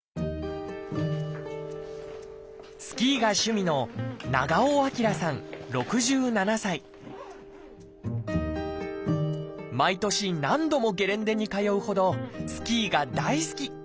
スキーが趣味の毎年何度もゲレンデに通うほどスキーが大好き！